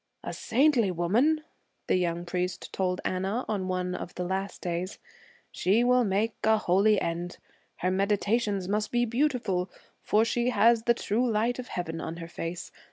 'A saintly woman,' the young priest told Anna on one of the last days. 'She will make a holy end. Her meditations must be beautiful, for she has the true light of Heaven on her face.